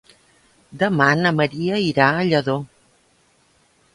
Demà na Maria irà a Lladó.